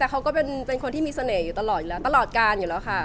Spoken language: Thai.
แต่เขาก็เป็นคนที่มีเสน่ห์อยู่ตลอดอยู่แล้วตลอดการอยู่แล้วค่ะ